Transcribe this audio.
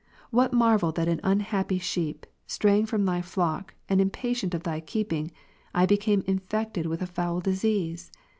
What marvel that an unhappy sheep, straying from Thy flock, and impatient of Thy keeping, I became infected with a foul disease